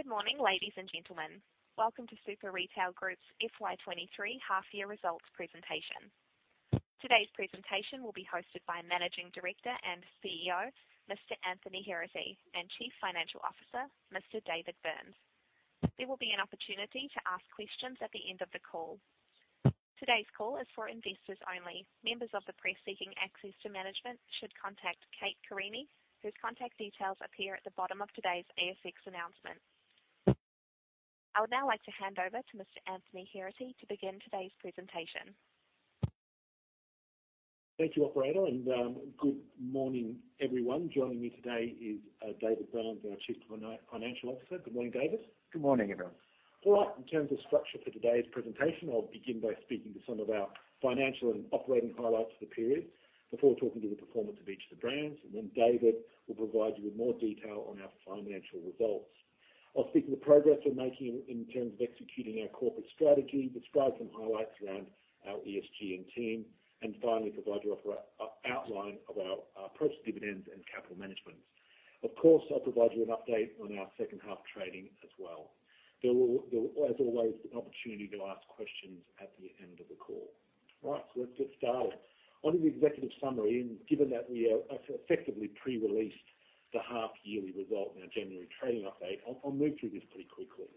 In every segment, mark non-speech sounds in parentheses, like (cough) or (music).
Good morning, ladies and gentlemen. Welcome to Super Retail Group's FY23 half-year results presentation. Today's presentation will be hosted by Managing Director and CEO, Mr. Anthony Heraghty, and Chief Financial Officer, Mr. David Burns. There will be an opportunity to ask questions at the end of the call. Today's call is for investors only. Members of the press seeking access to management should contact Kate Carini, whose contact details appear at the bottom of today's ASX announcement. I would now like to hand over to Mr. Anthony Heraghty to begin today's presentation. Thank you, operator, and good morning, everyone. Joining me today is David Burns, our Chief Financial Officer. Good morning, David. Good morning, everyone. All right. In terms of structure for today's presentation, I'll begin by speaking to some of our financial and operating highlights for the period before talking to the performance of each of the brands, and then David will provide you with more detail on our financial results. I'll speak to the progress we're making in terms of executing our corporate strategy, describe some highlights around our ESG and team, and finally provide you an outline of our approach to dividends and capital management. Of course, I'll provide you an update on our second half trading as well. There will, as always, an opportunity to ask questions at the end of the call. Right. Let's get started. On to the executive summary, given that we effectively pre-released the half yearly result in our January trading update, I'll move through this pretty quickly.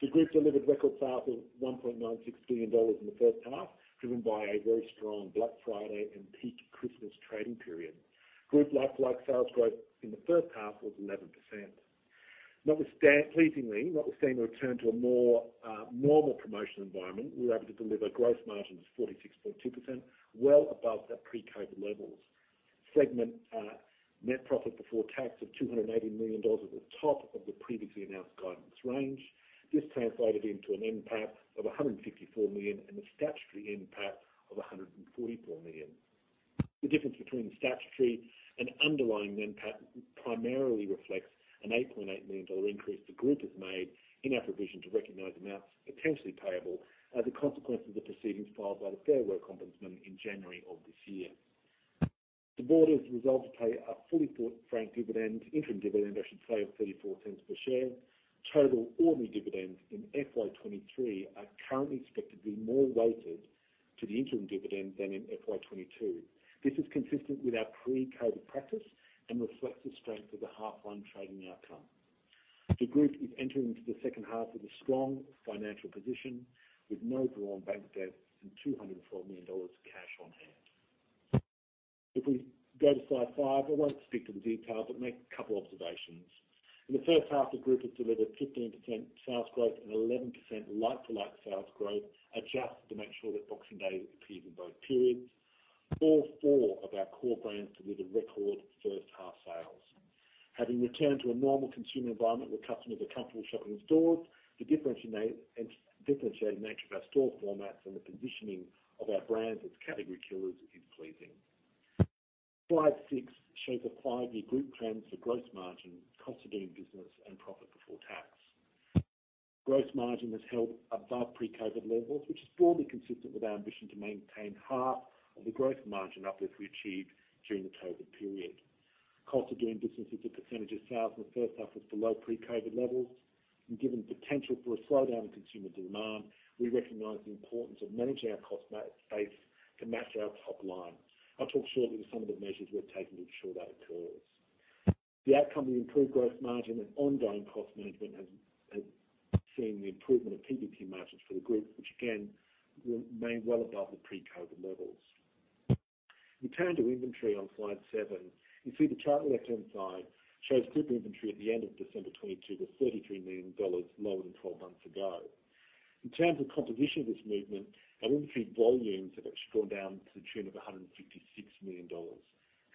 The group delivered record sales of 1.96 billion dollars in the first half, driven by a very strong Black Friday and peak Christmas trading period. Group like sales growth in the first half was 11%. Pleasingly, notwithstanding a return to a more normal promotion environment, we were able to deliver gross margins of 46.2%, well above the pre-COVID levels. Segment to pay a fully frank dividend, interim dividend, I should say, of 0.34 per share. Total ordinary dividends in FY23 are currently expected to be more weighted to the interim dividend than in FY22. This is consistent with our pre-COVID practice and reflects the strength of the half one trading outcome. The group is entering into the second half with a strong financial position with no drawn bank debt and 204 million dollars of cash on hand. If we go to slide five, I won't speak to the detail, but make a couple observations. In the first half, the group has delivered 15% sales growth and 11% like-to-like sales growth, adjusted to make sure that Boxing Day appears in both periods. All four of our core brands delivered record first half sales. Having returned to a normal consumer environment where customers are comfortable shopping in stores, the differentiating nature of our store formats and the positioning of our brands as category killers is pleasing. Slide six shows a five-year group trends for gross margin, cost of doing business and profit before tax. Gross margin has held above pre-COVID levels, which is broadly consistent with our ambition to maintain half of the growth margin uplift we achieved during the COVID period. Cost of Doing Business as a % of sales in the first half was below pre-COVID levels, and given the potential for a slowdown in consumer demand, we recognize the importance of managing our cost base to match our top line. I'll talk shortly to some of the measures we've taken to ensure that occurs. The outcome of the improved gross margin and ongoing cost management has seen the improvement of PBT margins for the group, which again remained well above the pre-COVID levels. We turn to inventory on slide seven. You see the chart on the left-hand side shows group inventory at the end of December 2022 was AUD 33 million lower than 12 months ago. In terms of composition of this movement and inventory volumes have actually gone down to the tune of 156 million dollars.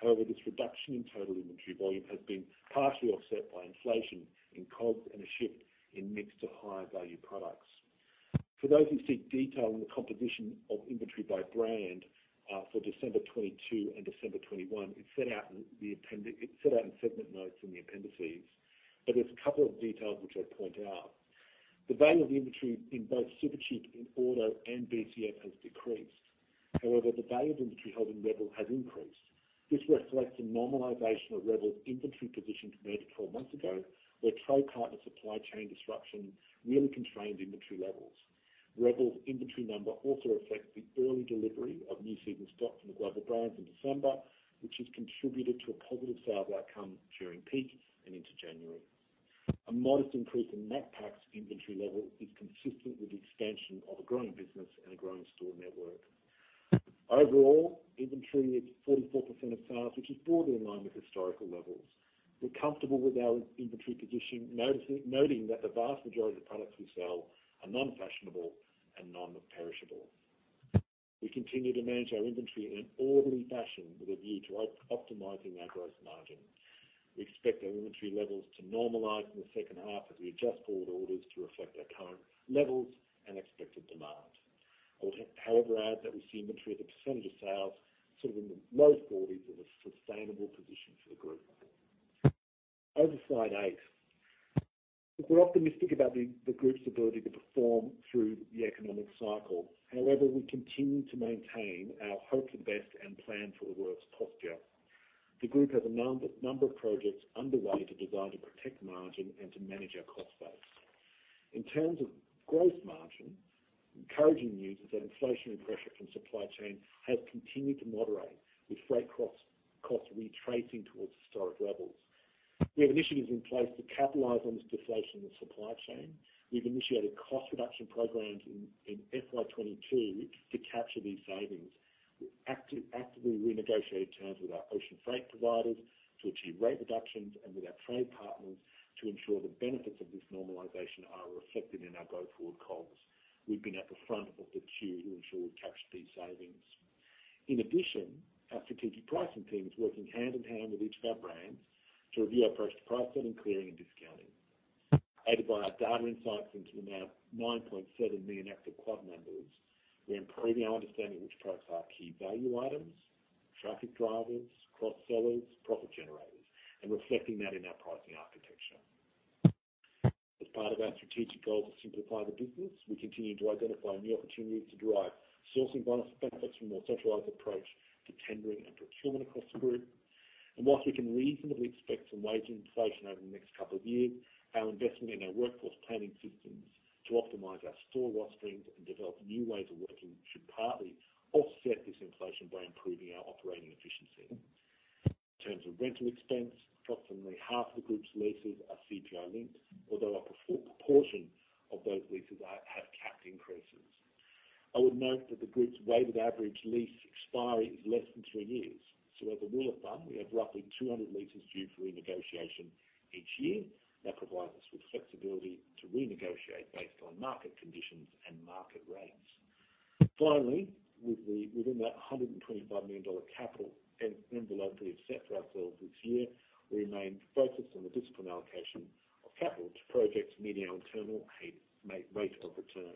This reduction in total inventory volume has been partially offset by inflation in COGS and a shift in mix to higher value products. For those who seek detail on the composition of inventory by brand, for December 22 and December 21, it's set out in segment notes in the appendices. There's a couple of details which I'd point out. The value of the inventory in both Supercheap Auto and BCF has decreased. The value of inventory held in Rebel has increased. This reflects a normalization of Rebel's inventory position compared to 12 months ago, where trade partner supply chain disruption really constrained inventory levels. Rebel's inventory number also reflects the early delivery of new season stock from the global brands in December, which has contributed to a positive sale outcome during peak and into January. A modest increase in Macpac's inventory level is consistent with the expansion of a growing business and a growing store network. Overall, inventory is 44% of sales, which is broadly in line with historical levels. We're comfortable with our inventory position, noting that the vast majority of products we sell are non-fashionable and non-perishable. We continue to manage our inventory in an orderly fashion with a view to optimizing our gross margin. We expect our inventory levels to normalize in the second half as we adjust forward orders to reflect our current levels and expected demand. I would, however, add that we see inventory as a percentage of sales, sort of in the low forties is a sustainable position for the group. Over to slide eight. We're optimistic about the group's ability to perform through the economic cycle. We continue to maintain our hope for the best and plan for the worst posture. The group has a number of projects underway to design to protect margin and to manage our cost base. In terms of growth margin, encouraging news is that inflationary pressure from supply chain has continued to moderate with freight cost retracing towards historic levels. We have initiatives in place to capitalize on this deflation in the supply chain. We've initiated cost reduction programs in FY22 to capture these savings. We're actively renegotiating terms with our ocean freight providers to achieve rate reductions and with our trade partners to ensure the benefits of this normalization are reflected in our go-forward costs. We've been at the front of the queue to ensure we capture these savings. In addition, our strategic pricing team is working hand-in-hand with each of our brands to review our approach to pricing, clearing, and discounting. Aided by our data insights into the now 9.7 million active club members, we're improving our understanding which products are key value items, traffic drivers, cross-sellers, profit generators, and reflecting that in our pricing architecture. As part of our strategic goal to simplify the business, we continue to identify new opportunities to derive sourcing benefits from a centralized approach to tendering and procurement across the group. Whilst we can reasonably expect some wage inflation over the next couple of years, our investment in our workforce planning systems to optimize our store loss streams and develop new ways of working should partly offset this inflation by improving our operating efficiency. In terms of rental expense, approximately half of the group's leases are CPI linked, although a proportion of those leases have capped increases. I would note that the group's weighted average lease expiry is less than three years. As a rule of thumb, we have roughly 200 leases due for renegotiation each year. That provides us with flexibility to renegotiate based on market conditions and market rates. Finally, within that 125 million dollar capital envelope we have set for ourselves this year, we remain focused on the disciplined allocation of capital to projects meeting our internal rate of return.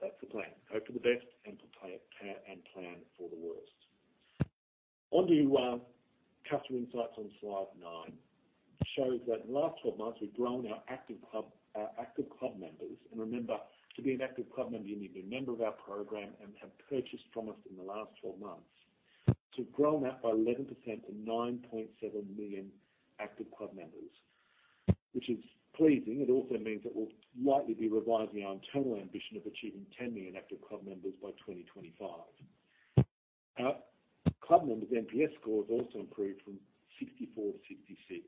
That's the plan. Hope for the best and to pay it and plan for the worst. On to customer insights on slide nine. It shows that in the last 12 months, we've grown our active club members. Remember, to be an active club member, you need to be a member of our program and have purchased from us in the last 12 months. We've grown that by 11% to 9.7 million active club members, which is pleasing. It also means that we'll likely be revising our internal ambition of achieving 10 million active club members by 2025. Our club members' NPS score has also improved from 64 to 66.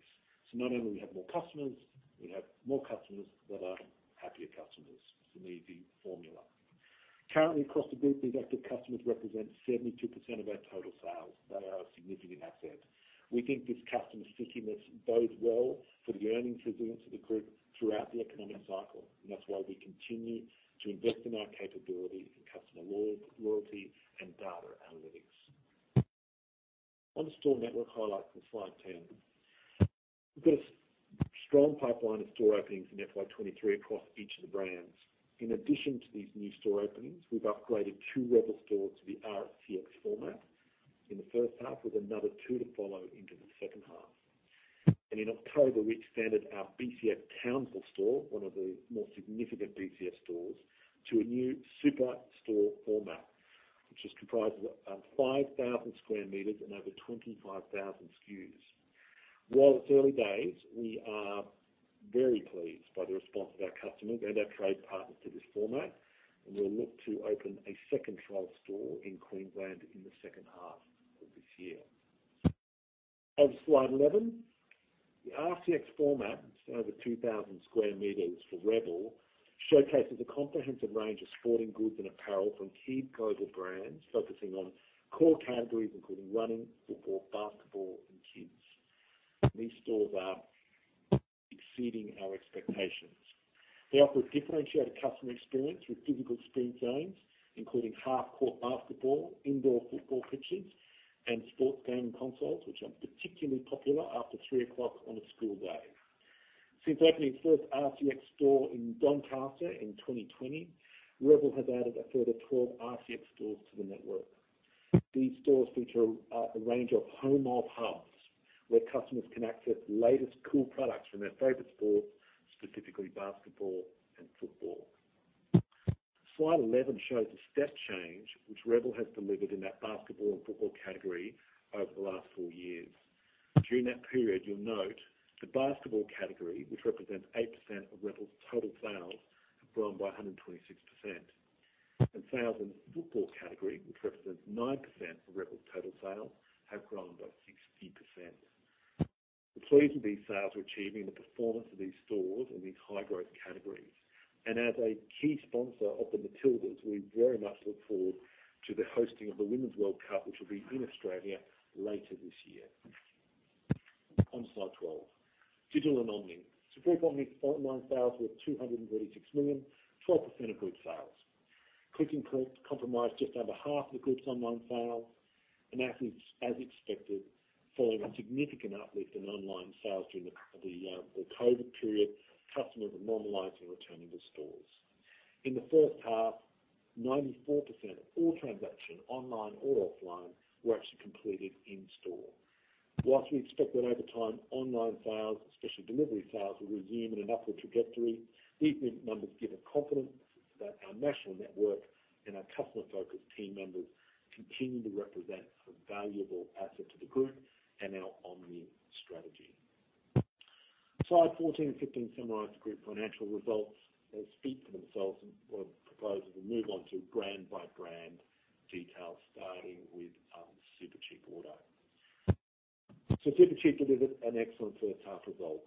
Not only do we have more customers, we have more customers that are happier customers. It's an easy formula. Currently, across the group, these active customers represent 72% of our total sales. They are a significant asset. We think this customer stickiness bodes well for the earnings resilience of the group throughout the economic cycle. That's why we continue to invest in our capabilities in customer loyalty and data analytics. On to store network highlights on slide 10. We've got a strong pipeline of store openings in FY23 across each of the brands. In addition to these new store openings, we've upgraded two rebel stores to the RCX format in the first half, with another two to follow into the second half. In October, we extended our BCF Townsville store, one of the more significant BCF stores, to a new super store format, which is comprised of 5,000 square meters and over 25,000 SKUs. While it's early days, we are very pleased by the response of our customers and our trade partners to this format. We'll look to open a second trial store in Queensland in the second half of this year. On to slide 11. The RCX format, just over 2,000 square meters for rebel, showcases a comprehensive range of sporting goods and apparel from key global brands, focusing on core categories including running, football, basketball, and kids. These stores are exceeding our expectations. They offer a differentiated customer experience with physical experience zones, including half-court basketball, indoor football pitches, and sports game consoles, which are particularly popular after 3:00 P.M. on a school day. Since opening its first RCX store in Doncaster in 2020, rebel has added a further 12 RCX stores to the network. These stores feature a range of home of hubs, where customers can access the latest cool products from their favorite sports, specifically basketball and football. Slide 11 shows the step change which rebel has delivered in that basketball and football category over the last four years. During that period, you'll note the basketball category, which represents 8% of rebel's total sales, have grown by 126%. Sales in football category, which represents 9% of rebel's total sales, have grown by 60%. We're pleased with these sales we're achieving and the performance of these stores in these high-growth categories. As a key sponsor of the Matildas, we very much look forward to the hosting of the Women's World Cup, which will be in Australia later this year. On Slide 12, digital and online. For online sales, we're at 236 million, 12% of group sales. Click and collect comprised just over half of the group's online sales. As expected, following a significant uplift in online sales during the COVID period, customers are normalizing and returning to stores. In the first half, 94% of all transactions, online or offline, were actually completed in-store. Whilst we expect that over time, online sales, especially delivery sales, will resume in an upward trajectory, these numbers give us confidence. That our national network and our customer-focused team members continue to represent a valuable asset to the group and our omni strategy. Slide 14 and 15 summarize group financial results. They speak for themselves and we'll propose to move on to brand by brand details, starting with Supercheap Auto. Supercheap delivered an excellent first half result,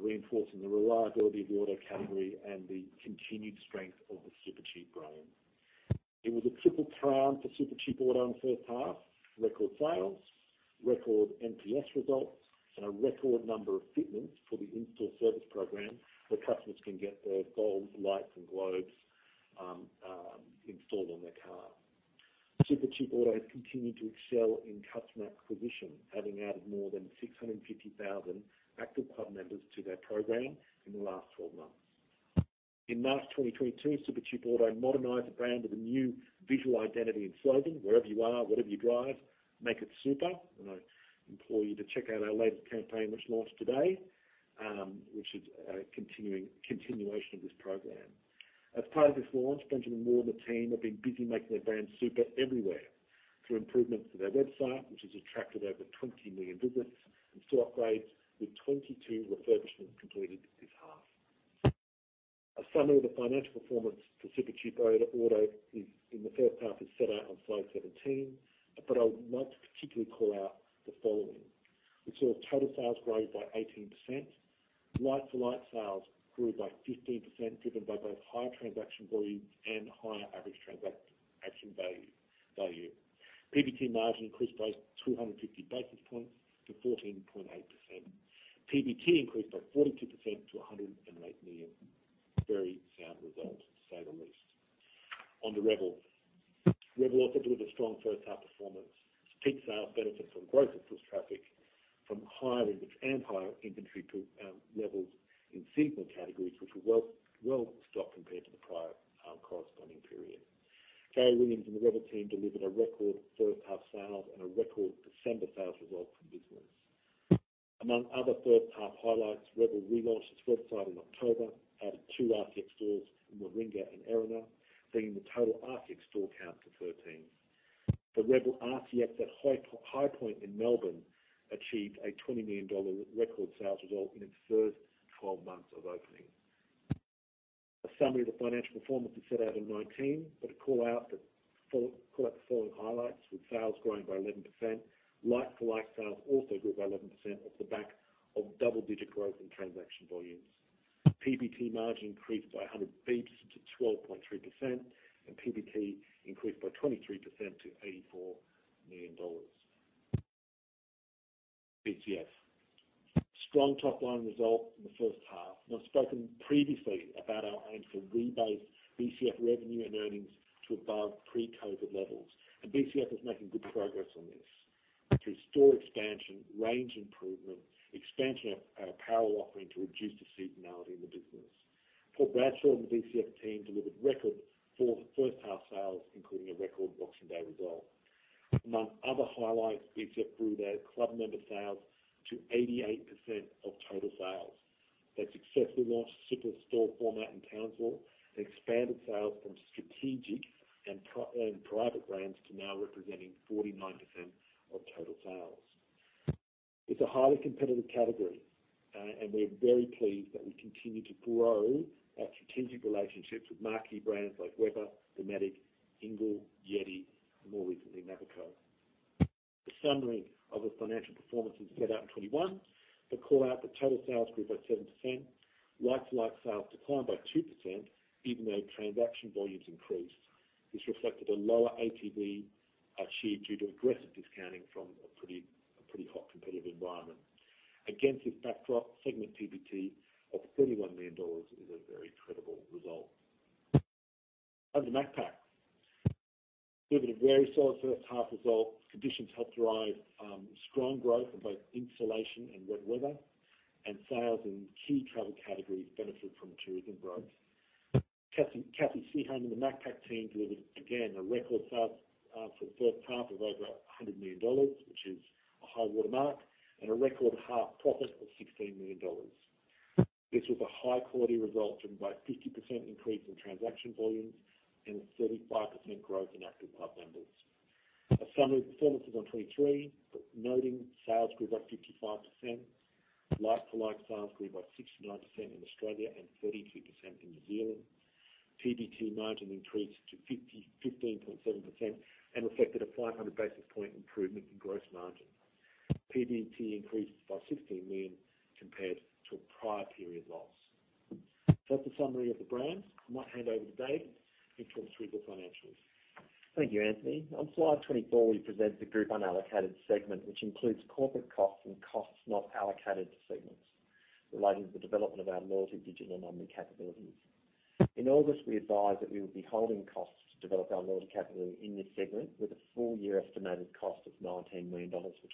reinforcing the reliability of the auto category and the continued strength of the Supercheap brand. It was a triple crown for Supercheap Auto in the first half. Record sales, record NPS results, and a record number of fitments for the in-store service program, where customers can get their bulbs, lights, and globes installed on their car. Supercheap Auto has continued to excel in customer acquisition, having added more than 650,000 active club members to their program in the last 12 months. In March 2022, Supercheap Auto modernized the brand with a new visual identity and slogan, "Wherever you are, whatever you drive, make it super." I implore you to check out our latest campaign which launched today, which is a continuation of this program. As part of this launch, Benjamin Ward and the team have been busy making their brand super everywhere. Through improvements to their website, which has attracted over 20 million visits, and store upgrades with 22 refurbishments completed this half. A summary of the financial performance for Supercheap Auto is in the first half is set out on slide 17. I would like to particularly call out the following. We saw total sales grow by 18%. Like-for-like sales grew by 15%, driven by both higher transaction volumes and higher average transaction value. PBT margin increased by 250 basis points to 14.8%. PBT increased by 42% to 108 million. Very sound result, to say the least. On to rebel, rebel also delivered a strong first half performance. Peak sales benefited from growth in foot traffic from higher inputs and higher inventory too, levels in seasonal categories, which were well stocked compared to the prior corresponding period. Gary Williams and the rebel team delivered a record first half sales and a record December sales result for the business. Among other first half highlights, rebel relaunched its website in October, added two RTX stores in Miranda and Erina, bringing the total RTX store count to 13. The rebel RTX at High Point in Melbourne achieved a $20 million record sales result in its first 12 months of opening. A summary of the financial performance is set out in 19, to call out the following highlights, with sales growing by 11%. Like-for-like sales also grew by 11% off the back of double-digit growth in transaction volumes. PBT margin increased by 100 basis points to 12.3%, and PBT increased by 23% to 84 million dollars. BCF. Strong top line result in the first half. Now I've spoken previously about our aim to rebase BCF revenue and earnings to above pre-COVID levels. BCF is making good progress on this through store expansion, range improvement, expansion of our apparel offering to reduce the seasonality in the business. Paul Bradshaw and the BCF team delivered record for first half sales, including a record Boxing Day result. Among other highlights, BCF grew their club member sales to 88% of total sales. They successfully launched super store format in Townsville. They expanded sales from strategic and private brands to now representing 49% of total sales. It's a highly competitive category, we're very pleased that we continue to grow our strategic relationships with marquee brands like Weber, Dometic, Engel, YETI, and more recently, Navico. A summary of the financial performance is set out in 21. Call out the total sales grew by 7%. Like-to-like sales declined by 2%, even though transaction volumes increased. This reflected a lower ATV achieved due to aggressive discounting from a pretty hot competitive environment. Against this backdrop, segment PBT of $31 million is a very credible result. On to Macpac. Delivered a very solid first half result. Conditions helped drive strong growth in both insulation and wet weather, and sales in key travel categories benefited from tourism growth. Cathy Seaholme and the Macpac team delivered again a record sales for the first half of over $100 million, which is a high water mark, and a record half profit of $16 million. This was a high-quality result driven by a 50% increase in transaction volumes and a 35% growth in active club members. A summary of the performance is on 23, noting sales grew by 55%. Like-for-like sales grew by 69% in Australia and 32% in New Zealand. PBT margin increased to 15.7% and reflected a 500 basis point improvement in gross margin. PBT increased by $16 million compared to a prior period loss. That's a summary of the brands. I might hand over to Dave who can talk through the financials. Thank you, Anthony. On slide 24, we present the group unallocated segment, which includes corporate costs and costs not allocated to segments relating to the development of our loyalty, digital, and omni capabilities. In August, we advised that we would be holding costs to develop our loyalty capability in this segment with a full-year estimated cost of 19 million dollars for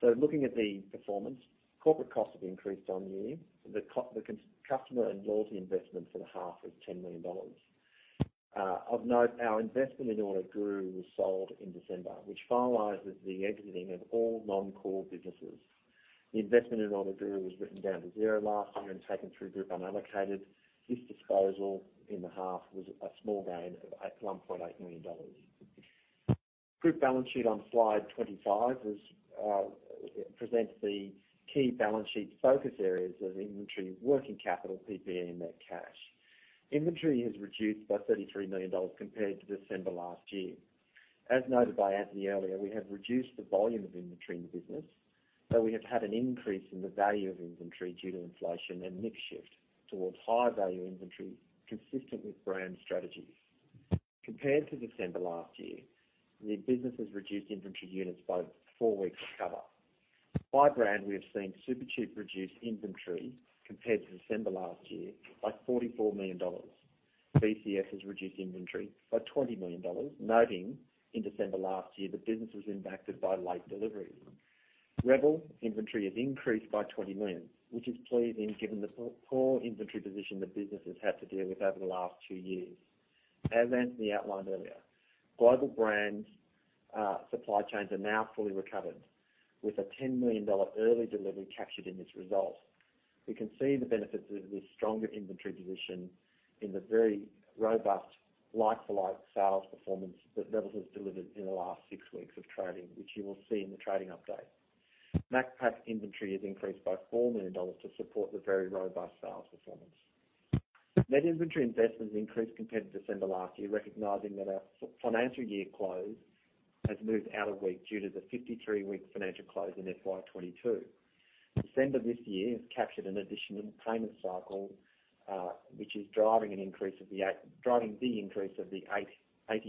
2023. Looking at the performance, corporate costs have increased on year. The customer and loyalty investment for the half was 10 million dollars. Of note, our investment in OrderGuru was sold in December, which finalizes the exiting of all non-core businesses. The investment in OrderGuru was written down to 0 last year and taken through group unallocated. This disposal in the half was a small gain of 1.8 million dollars. Group balance sheet on slide 25 is presents the key balance sheet focus areas of inventory, working capital, PPE, and net cash. Inventory is reduced by 33 million dollars compared to December last year. As noted by Anthony earlier, we have reduced the volume of inventory in the business, but we have had an increase in the value of inventory due to inflation and mix shift towards higher value inventory consistent with brand strategies. Compared to December last year, the business has reduced inventory units by four weeks cover. By brand, we have seen Supercheap reduce inventory compared to December last year by 44 million dollars. BCF has reduced inventory by 20 million dollars, noting in December last year the business was impacted by late deliveries. rebel inventory has increased by 20 million, which is pleasing given the poor inventory position the business has had to deal with over the last 2 years. As Anthony outlined earlier, Global Brand supply chains are now fully recovered with a 10 million dollar early delivery captured in this result. We can see the benefits of this stronger inventory position in the very robust like-for-like sales performance that rebel has delivered in the last 6 weeks of trading, which you will see in the trading update. Macpac inventory has increased by 4 million dollars to support the very robust sales performance. Net inventory investments increased compared to December last year, recognizing that our financial year close has moved out a week due to the 53-week financial close in FY22. December this year has captured an additional payment cycle, which is driving the increase of the 80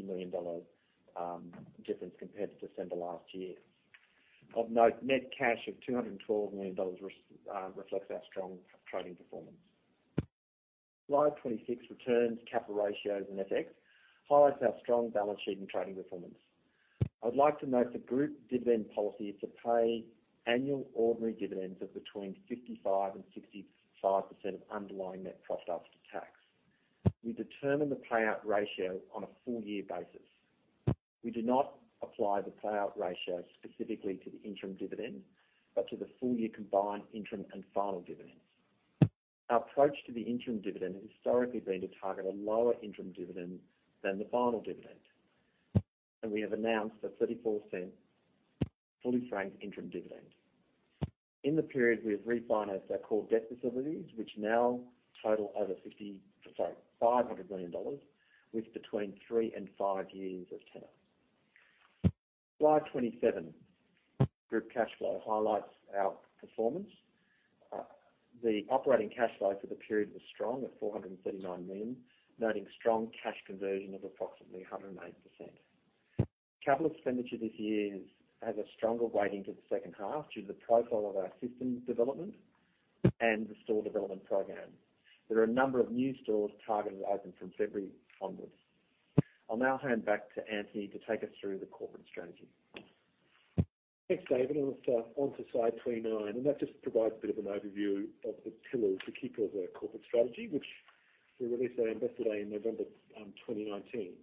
million dollar difference compared to December last year. Of note, net cash of 212 million dollars reflects our strong trading performance. Slide 26, returns, capital ratios, and FX, highlights our strong balance sheet and trading performance. I'd like to note the group dividend policy is to pay annual ordinary dividends of between 55% and 65% of underlying net profit after tax. We determine the payout ratio on a full year basis. We do not apply the payout ratio specifically to the interim dividend, but to the full year combined interim and final dividend. Our approach to the interim dividend has historically been to target a lower interim dividend than the final dividend. We have announced an 0.34 fully franked interim dividend. In the period, we have refinanced our core debt facilities, which now total over 500 million dollars with between three and five years of tenor. Slide 27, group cash flow, highlights our performance. The operating cash flow for the period was strong at 439 million, noting strong cash conversion of approximately 108%. Capital expenditure this year has a stronger weighting to the second half due to the profile of our system development and the store development program. There are a number of new stores targeted to open from February onwards. I'll now hand back to Anthony to take us through the corporate strategy. Thanks, David. Let's onto slide 29, and that just provides a bit of an overview of the pillars, the key pillars of our corporate strategy, which we released our Investor Day in November, 2019.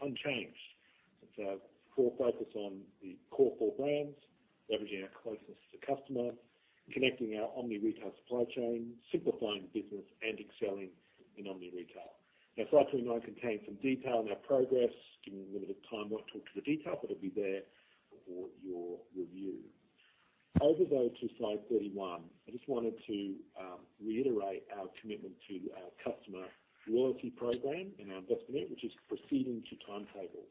Unchanged. It's our core focus on the core four brands, leveraging our closeness to customer, connecting our omni-retail supply chain, simplifying the business and excelling in omni-retail. Now slide 29 contains some detail on our progress. Given the limited time, I won't talk to the detail, but it'll be there for your review. Over though to slide 31, I just wanted to reiterate our commitment to our customer loyalty program and our investment, which is proceeding to timetable.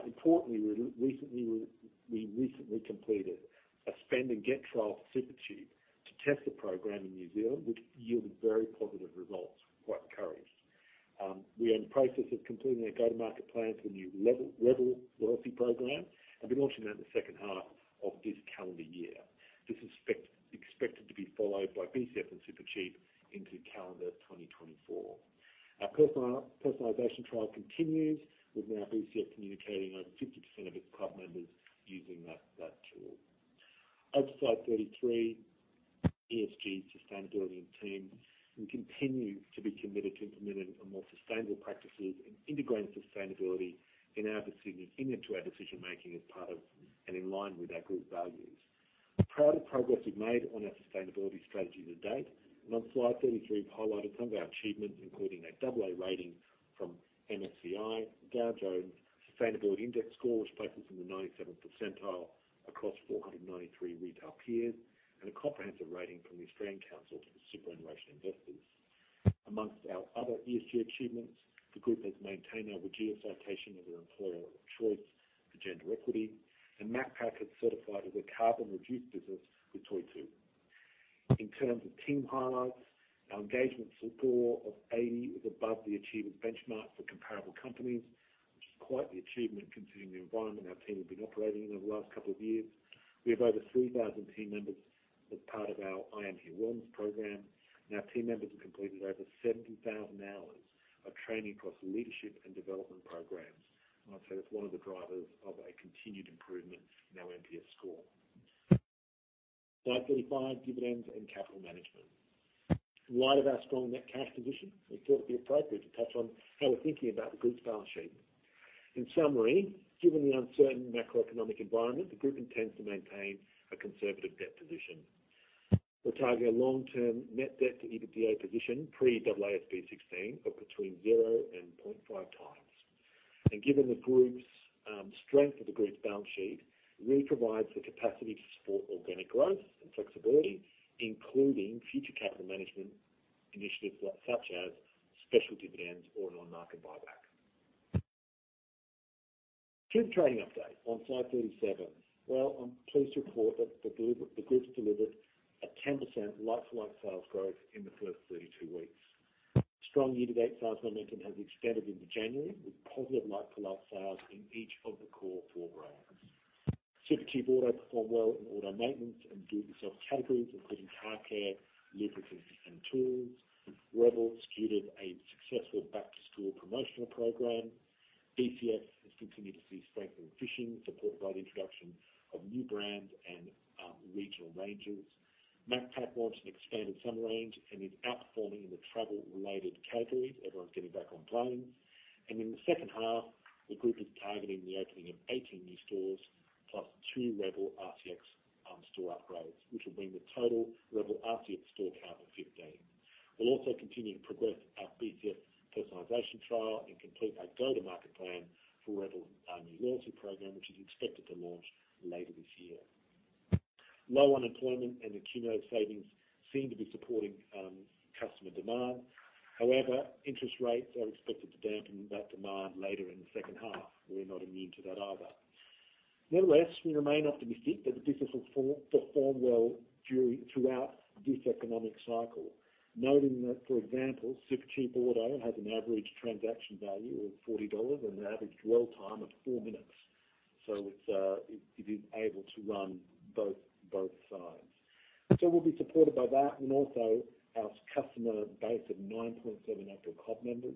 Importantly, we recently completed a spend and get trial at Supercheap to test the program in New Zealand, which yielded very positive results. We're quite encouraged. We are in the process of completing our go-to-market plan for rebel loyalty program and be launching that in the second half of this calendar year. This is expected to be followed by BCF and Supercheap into calendar 2024. Our personalization trial continues, with now BCF communicating over 50% of its club members using that tool. Over to slide 33, ESG sustainability and team. We continue to be committed to implementing a more sustainable practices and integrating sustainability in our into our decision making as part of and in line with our group values. We're proud of progress we've made on our sustainability strategy to date, and on slide 33, we've highlighted some of our achievements, including a double A rating from MSCI, Dow Jones Sustainability Index score, which places in the 97th percentile across 493 retail peers, and a comprehensive rating from the Australian Council of Superannuation Investors. Amongst our other ESG achievements, the group has maintained our WGEA citation as our employer of choice for gender equity, and Macpac has certified as a carbon-reduced business with Toitū. In terms of team highlights, our engagement score of 80 is above the achievement benchmark for comparable companies, which is quite the achievement considering the environment our team have been operating in over the last couple of years. We have over 3,000 team members as part of our I Am Here wellness program. Our team members have completed over 70,000 hours of training across leadership and development programs. I'd say that's one of the drivers of a continued improvement in our NPS score. Slide 35, dividends and capital management. In light of our strong net cash position, we thought it'd be appropriate to touch on how we're thinking about the group's balance sheet. In summary, given the uncertain macroeconomic environment, the group intends to maintain a conservative debt position. We're targeting a long-term net debt to EBITDA position pre AASB 16 of between zero and 0.5 times. Given the group's strength of the group's balance sheet, really provides the capacity to support organic growth and flexibility, including future capital management initiatives such as special dividends or an on-market buyback. Group trading update on slide 37. Well, I'm pleased to report that the group's delivered a 10% like-for-like sales growth in the first 32 weeks. Strong year-to-date sales momentum has extended into January with positive like-for-like sales in each of the core four brands. Supercheap Auto performed well in auto maintenance and do-it-yourself categories, including car care, lubricants, and tools. rebel's delivered a successful back-to-school promotional program. BCF has continued to see strength in fishing, supported by the introduction of new brands and regional ranges. Macpac launched an expanded summer range and is outperforming in the travel-related categories. Everyone's getting back on planes. In the second half, the group is targeting the opening of 18 new stores plus 2 rebel RTX store upgrades, which will bring the total rebel RTX store count to 15. We'll also continue to progress our BCF personalization trial and complete our go-to-market plan for rebel new loyalty program, which is expected to launch later this year. Low unemployment and accumulated savings seem to be supporting customer demand. However, interest rates are expected to dampen that demand later in the second half. We're not immune to that either. Nevertheless, we remain optimistic that the business will perform well throughout this economic cycle. Noting that, for example, Supercheap Auto has an average transaction value of $40 and an average dwell time of 4 minutes. It is able to run both sides. We'll be supported by that and also our customer base of 9.7 active club members,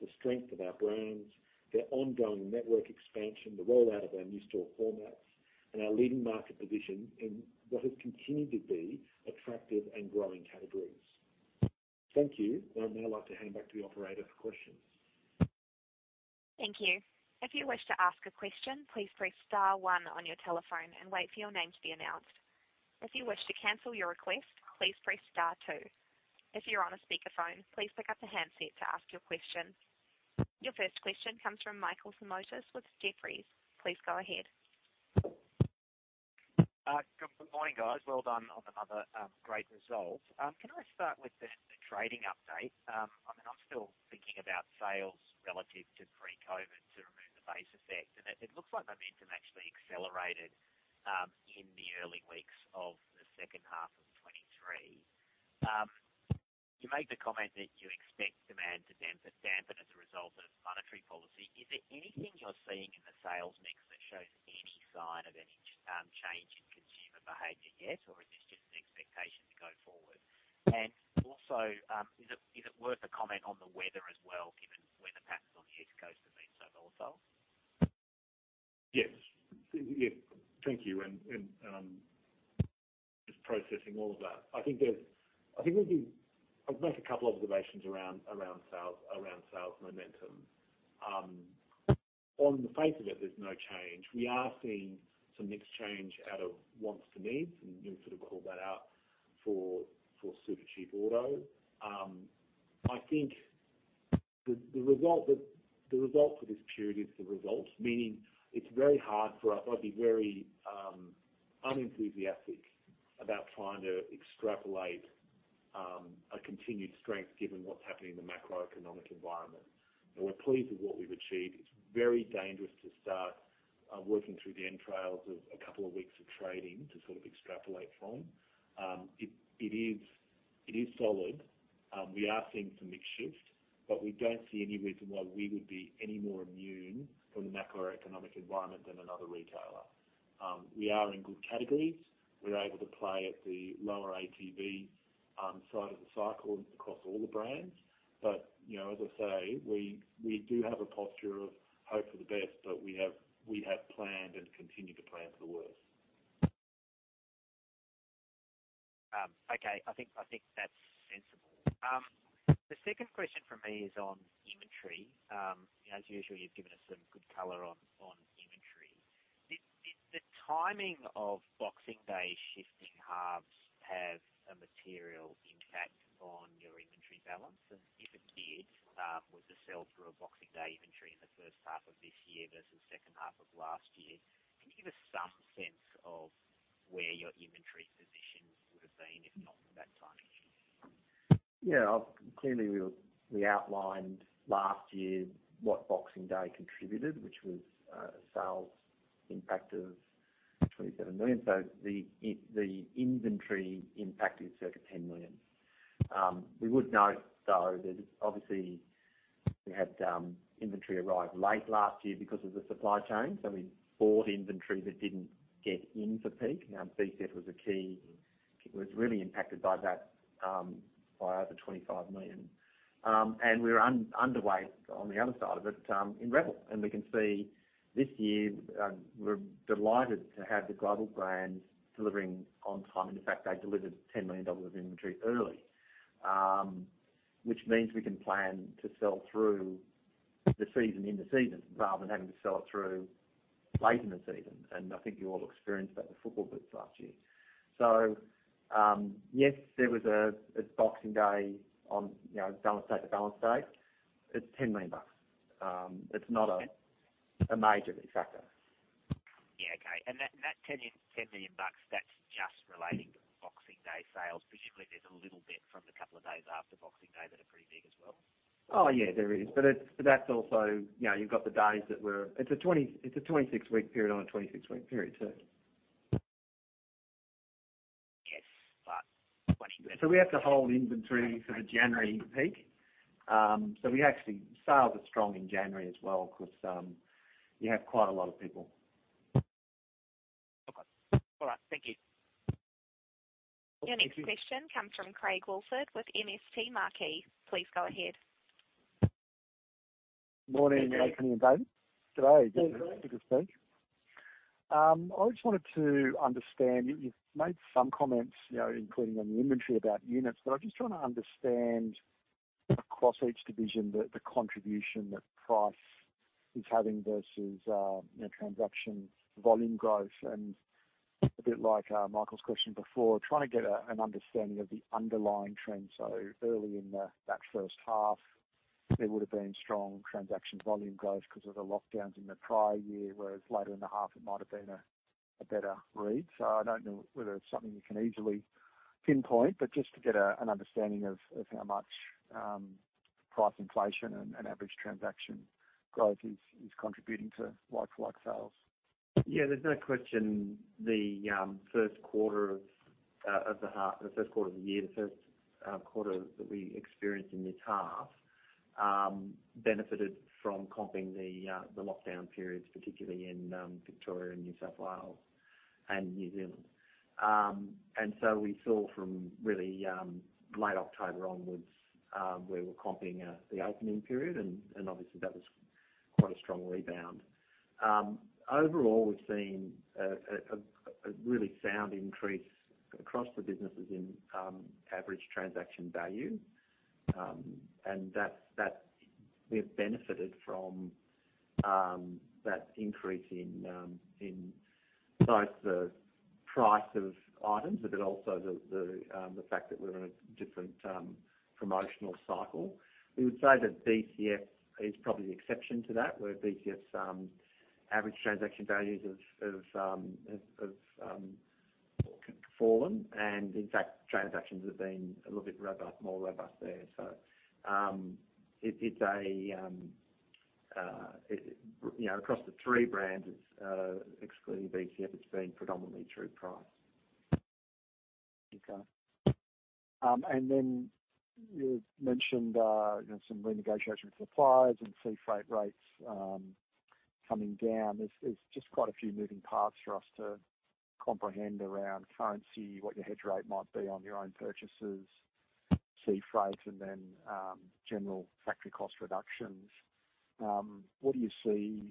the strength of our brands, their ongoing network expansion, the rollout of our new store formats, and our leading market position in what has continued to be attractive and growing categories. Thank you. I would now like to hand back to the operator for questions. Thank you. If you wish to ask a question, please press star one on your telephone and wait for your name to be announced. If you wish to cancel your request, please press star two. If you're on a speakerphone, please pick up the handset to ask your question. Your first question comes from Michael Simotas with Jefferies. Please go ahead. Good morning, guys. Well done on another great result. Can I start with the trading update? I mean, I'm still thinking about sales relative to pre-COVID to remove the base effect. It looks like momentum actually accelerated in the early weeks of the second half of 23. You made the comment that you expect demand to dampen as a result of monetary policy. Is there anything you're seeing in the sales mix that shows any sign of any change in consumer behavior yet, or is this just an expectation to go forward? Also, is it worth a comment on the weather as well, given weather patterns on the East Coast have been so volatile? Yes. Yeah, thank you. I'm just processing all of that. I think we'll be. I'll make a couple observations around sales, around sales momentum. On the face of it, there's no change. We are seeing some mix change out of wants to needs. You know, sort of called that out for Supercheap Auto. I think the result for this period is the result, meaning it's very hard for us. I'd be very unenthusiastic about trying to extrapolate a continued strength given what's happening in the macroeconomic environment. We're pleased with what we've achieved. It's very dangerous to start working through the entrails of a couple of weeks of trading to sort of extrapolate from. It is solid. We are seeing some mix shift, but we don't see any reason why we would be any more immune from the macroeconomic environment than another retailer. We are in good categories. We're able to play at the lower ATV side of the cycle across all the brands. You know, as I say, we do have a posture of hope for the best, but we have planned and continue to plan for the worst. Okay. I think that's sensible. The second question from me is on inventory. As usual, you've given us some good color on inventory. Did the timing of Boxing Day shifting halves have a material impact on your inventory balance? If it did, with the sell-through of Boxing Day inventory in the first half of this year versus second half of last year, can you give us some sense of where your inventory position would have been if not for that timing issue? Clearly, we outlined last year what Boxing Day contributed, which was a sales impact of 27 million. The inventory impact is circa 10 million. We would note, though, that obviously we had inventory arrive late last year because of the supply chain. We bought inventory that didn't get in for peak. Now BCF was really impacted by that, by over 25 million. We're underway on the other side of it, in rebel, and we can see this year, we're delighted to have the global brands delivering on time. In fact, they delivered 10 million dollars of inventory early, which means we can plan to sell through the season, in the season, rather than having to sell it through later in the season. I think you all experienced that with the football boots last year. Yes, there was a Boxing Day on, you know, balance sheet, the balance date. It's $10 million. It's not a major factor. Yeah. Okay. That 10 million bucks, that's just relating to Boxing Day sales. Particularly, there's a little bit from the couple of days after Boxing Day that are pretty big as well. Oh, yeah, there is. That's also, you know, you've got the days that. It's a 26 week period on a 26 week period. Yes. We have to hold inventory for the January peak. Sales are strong in January as well, 'cause, you have quite a lot of people. Okay. All right. Thank you. Thank you. Your next question comes from Craig Woolford with MST Marquee. Please go ahead. Morning, Anthony and David. G'day. G'day. (crosstalk) Good to speak. I just wanted to understand, you've made some comments, you know, including on the inventory about units. I'm just trying to understand across each division, the contribution that price is having versus, you know, transaction volume growth. A bit like Michael Simotas' question before, trying to get an understanding of the underlying trends, early in that first half, there would've been strong transaction volume growth 'cause of the lockdowns in the prior year, whereas later in the half, it might've been a better read. I don't know whether it's something you can easily pinpoint, but just to get an understanding of how much price inflation and average transaction growth is contributing to like-for-like sales. Yeah. There's no question the first quarter of the year, the first quarter that we experienced in this half, benefited from comping the lockdown periods, particularly in Victoria and New South Wales and New Zealand. We saw from really late October onwards, where we're comping the opening period and obviously, that was quite a strong rebound. Overall, we've seen a really sound increase across the businesses in Average Transaction Value. We've benefited from that increase in both the price of items, but then also the fact that we're in a different promotional cycle. We would say that BCF is probably the exception to that, where BCF's average transaction values have fallen, and in fact, transactions have been a little bit robust, more robust there. It's a, you know, across the three brands, it's, excluding BCF, it's been predominantly through price. Okay. Then you mentioned, you know, some renegotiation with suppliers and sea freight rates coming down. There's just quite a few moving parts for us to comprehend around currency, what your hedge rate might be on your own purchases, sea freight, and then general factory cost reductions. What do you see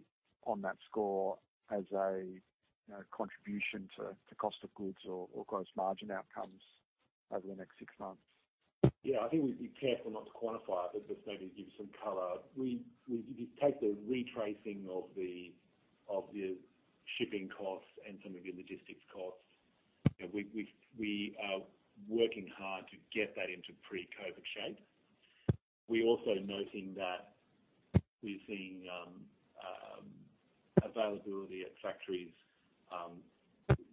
on that score as a, you know, contribution to cost of goods or gross margin outcomes over the next six months? Yeah. I think we'd be careful not to quantify, but just maybe give some color. If you take the retracing of the shipping costs and some of the logistics costs, you know, we are working hard to get that into pre-COVID shape. We're also noting that we're seeing availability at factories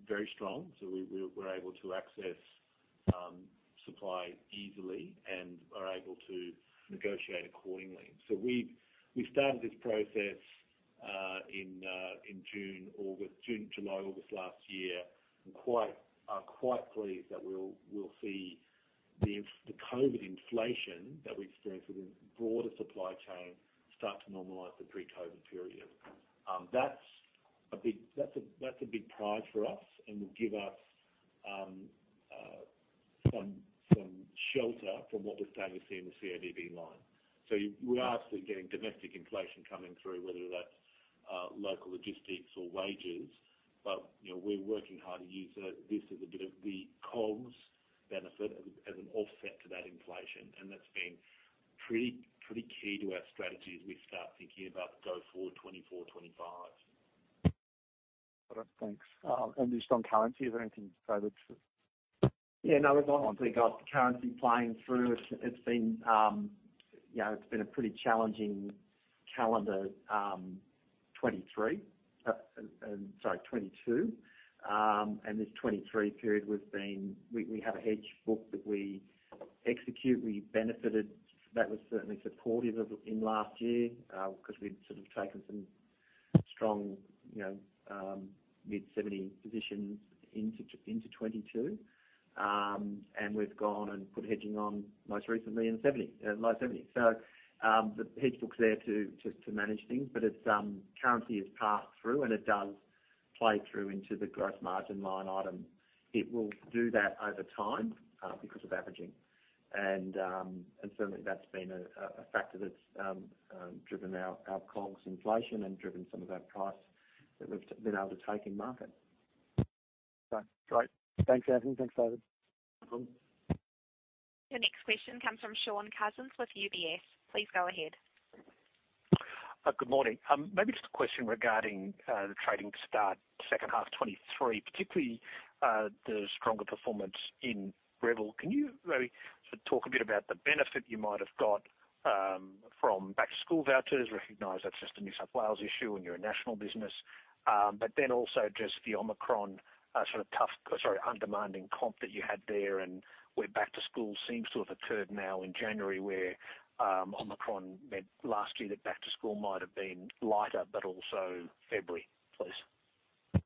very strong. We are able to access supply easily and are able to negotiate accordingly. We started this process in June, August, June, July, August last year, and are quite pleased that we'll see the COVID inflation that we've experienced within the broader supply chain start to normalize the pre-COVID period. That's a big prize for us and will give us shelter from what we're starting to see in the CODB line. We're obviously getting domestic inflation coming through, whether that's local logistics or wages, but, you know, we're working hard to use this as a bit of the COGS benefit as an offset to that inflation. That's been key to our strategy as we start thinking about go-forward 24, 25. Got it. Thanks. Just on currency, is there anything to say that's- Yeah. No. As long as we got the currency playing through, it's been, you know, a pretty challenging calendar, 2023. Sorry, 2022. This 2023 period, we have a hedge book that we execute. We benefited. That was certainly supportive in last year, 'cause we'd sort of taken some strong, you know, mid 70 positions into 2022. We've gone and put hedging on most recently in 70, low 70. The hedge book's there to manage things, but it's, currency is passed through, and it does play through into the gross margin line item. It will do that over time, because of averaging. Certainly that's been a factor that's driven our COGS inflation and driven some of that price that we've been able to take in market. great. Thanks, Anthony. Thanks, David. No problem. The next question comes from Shaun Cousins with UBS. Please go ahead. Good morning. Maybe just a question regarding the trading start second half FY23, particularly the stronger performance in rebel. Can you maybe sort of talk a bit about the benefit you might have got from back-to-school vouchers? Recognize that's just a New South Wales issue, and you're a national business. Also just the Omicron sort of undemanding comp that you had there and where back to school seems to have occurred now in January, where Omicron meant last year that back to school might have been lighter, but also February, please.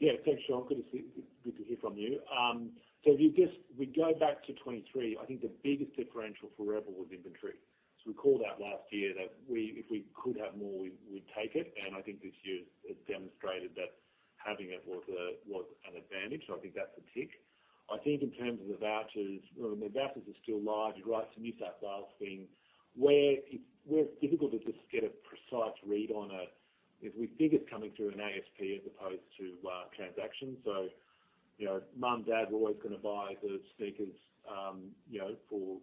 Yeah. Thanks, Shaun. Good to hear from you. If we go back to 2023, I think the biggest differential for rebel was inventory. We called out last year that if we could have more, we'd take it. I think this year has demonstrated that having it was an advantage. I think that's a tick. I think in terms of the vouchers, I mean, the vouchers are still large. You're right to New South Wales being where it's difficult to just get a precise read on a. If we think it's coming through an ASP as opposed to transaction. You know, mom and dad were always gonna buy the sneakers, you know, for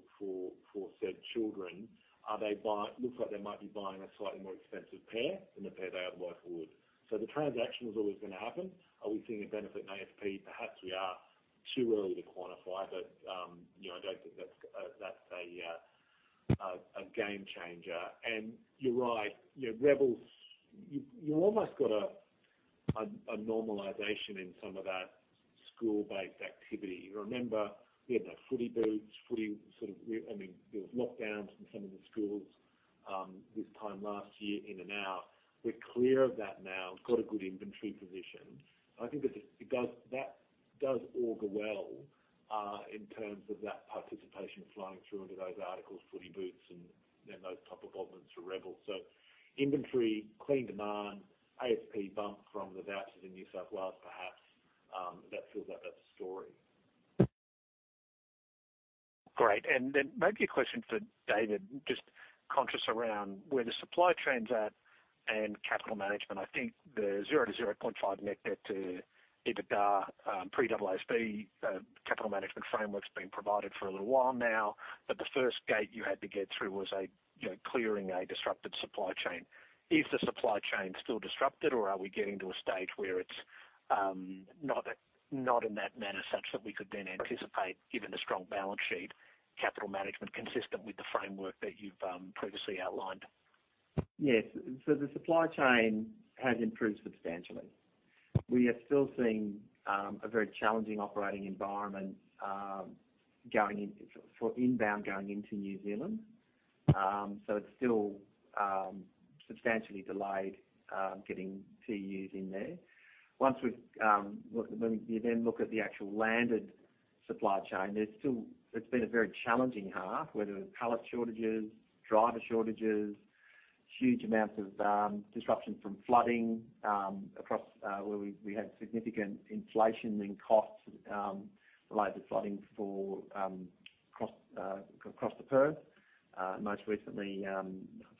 said children. Are they It looks like they might be buying a slightly more expensive pair than the pair they otherwise would. The transaction was always gonna happen. Are we seeing a benefit in ASP? Perhaps we are. Too early to quantify, but, you know, I don't think that's a game changer. You're right. You know, rebel, you almost got a normalization in some of that school-based activity. Remember we had those footy boots, footy sort of I mean, there was lockdowns in some of the schools, this time last year in and out. We're clear of that now. Got a good inventory position. I think that does augur well in terms of that participation flowing through into those articles, footy boots and those type of oddments for rebel. Inventory, clean demand, ASP bump from the vouchers in New South Wales, perhaps, that feels like that's the story. Great. Maybe a question for David, just conscious around where the supply chain's at and capital management. I think the 0-0.5 net debt to EBITDA, pre-AASB 16, capital management framework's been provided for a little while now. The first gate you had to get through was a, you know, clearing a disrupted supply chain. Is the supply chain still disrupted, or are we getting to a stage where it's not in that manner such that we could then anticipate, given the strong balance sheet, capital management consistent with the framework that you've previously outlined? Yes. The supply chain has improved substantially. We are still seeing a very challenging operating environment for inbound going into New Zealand. It's still substantially delayed getting SKUs in there. When you then look at the actual landed supply chain, there's still, it's been a very challenging half, whether it was pallet shortages, driver shortages, huge amounts of disruption from flooding across where we had significant inflation in costs related to flooding across the Perth, most recently,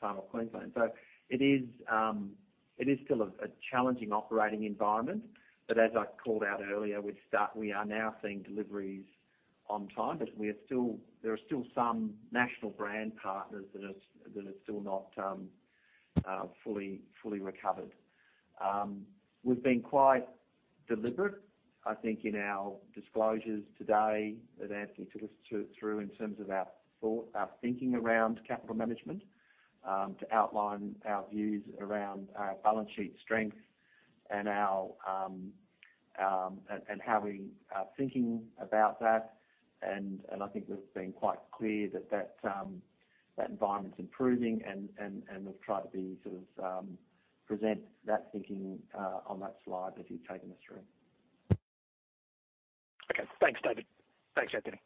Far North Queensland. It is still a challenging operating environment. As I called out earlier, we are now seeing deliveries on time, but there are still some national brand partners that are still not fully recovered. We've been quite deliberate, I think, in our disclosures today, that Anthony took us through in terms of our thought, our thinking around capital management to outline our views around our balance sheet strength and how we are thinking about that. I think we've been quite clear that environment's improving and we've tried to be sort of present that thinking on that slide as he's taken us through. Okay. Thanks, David. Thanks, Anthony.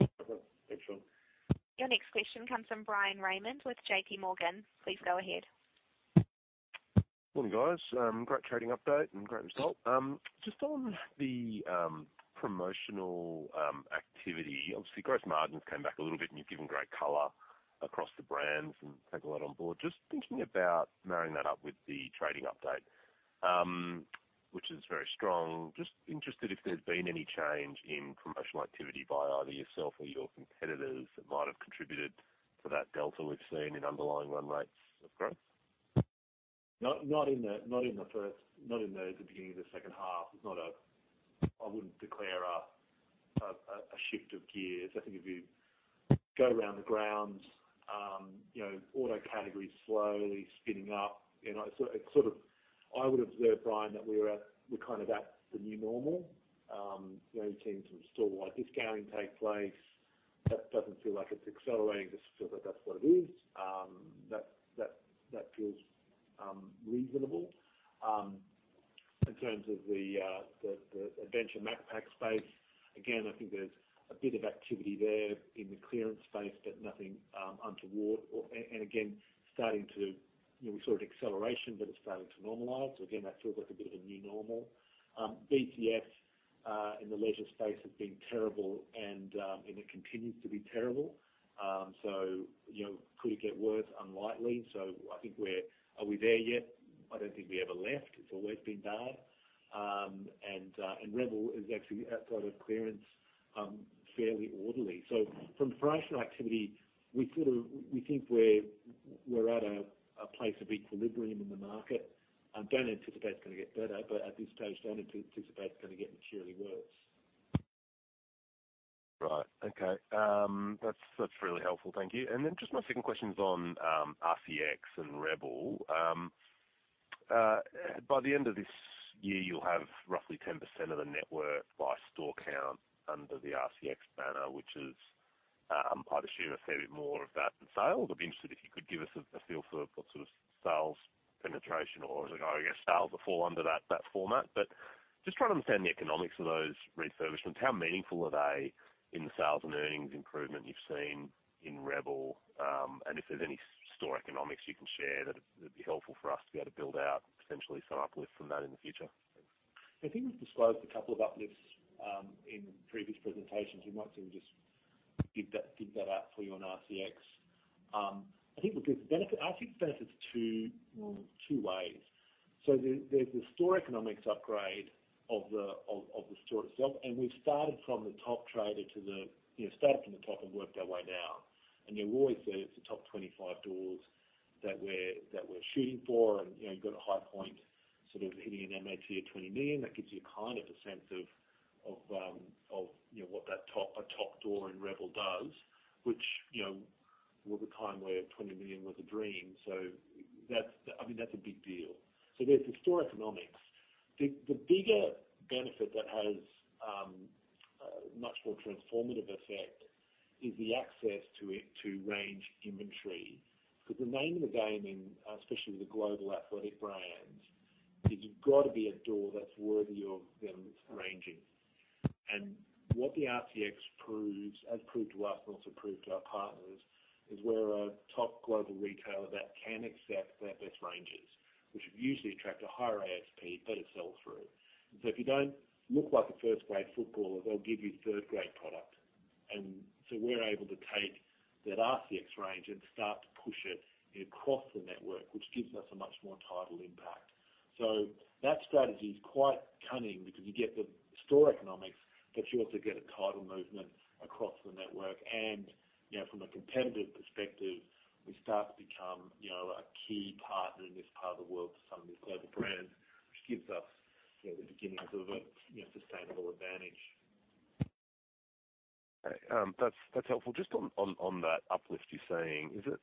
No problem. Thanks, Shaun. Your next question comes from Bryan Raymond with J.P. Morgan. Please go ahead. Morning, guys. Great trading update and great result. Just on the promotional activity, obviously gross margins came back a little bit, and you've given great color across the brands and take a lot on board. Just thinking about marrying that up with the trading update, which is very strong. Just interested if there's been any change in promotional activity by either yourself or your competitors that might have contributed to that delta we've seen in underlying run rates of growth. Not in the beginning of the second half. It's not a. I wouldn't declare a shift of gears. I think if you go around the grounds, you know, auto category is slowly spinning up. You know, it's sort of, I would observe, Bryan Raymond, that we're kind of at the new normal. You know, we've seen some store-wide discounting take place. That doesn't feel like it's accelerating. Just feels like that's what it is. That feels reasonable. In terms of the Adventure Macpac space, again, I think there's a bit of activity there in the clearance space, but nothing untoward. Again, starting to, you know, we saw an acceleration, but it's starting to normalize. Again, that feels like a bit of a new normal. BCF in the leisure space has been terrible. It continues to be terrible. You know, could it get worse? Unlikely. I think we're, are we there yet? I don't think we ever left. It's always been bad. Rebel is actually outside of clearance, fairly orderly. From fractional activity, we sort of, we think we're at a place of equilibrium in the market. I don't anticipate it's gonna get better, but at this stage, I don't anticipate it's gonna get materially worse. Right. Okay. That's really helpful. Thank you. Just my second question is on RCX and rebel. By the end of this year, you'll have roughly 10% of the network by store count under the RCX banner, which is, I'd assume a fair bit more of that in sales. I'd be interested if you could give us a feel for what sort of sales penetration or as an ROI against sales would fall under that format. Just trying to understand the economics of those refurbishments, how meaningful are they in the sales and earnings improvement you've seen in rebel? If there's any store economics you can share, that'd be helpful for us to be able to build out potentially some uplift from that in the future. I think we've disclosed a couple of uplifts, in previous presentations. We might sort of just dig that out for you on RCX. I think we'll give the benefit. I think the benefit is two ways. There's the store economics upgrade of the store itself, and we've started from the top trader. You know, started from the top and worked our way down. We've always said it's the top 25 doors that we're shooting for, and, you know, you've got a high point sort of hitting an MAT of 20 million. That gives you kind of a sense of, of, you know, what that top door in rebel does, which, you know, were the time where 20 million was a dream. That's, I mean, that's a big deal. There's the store economics. The bigger benefit that has a much more transformative effect is the access to range inventory. The name of the game in, especially with the global athletic brands, is you've got to be a door that's worthy of them ranging. What the RCX has proved to us and also proved to our partners, is we're a top global retailer that can accept their best ranges, which usually attract a higher ASP, but it sells through. If you don't look like a first-grade footballer, they'll give you third-grade product. We're able to take that RCX range and start to push it, you know, across the network, which gives us a much more tidal impact. That strategy is quite cunning because you get the store economics, but you also get a tidal movement across the network. You know, from a competitive perspective, we start to become, you know, a key partner in this part of the world for some of these global brands, which gives us, you know, the beginnings of a, you know, sustainable advantage. Okay. That's, that's helpful. Just on that uplift you're seeing, is it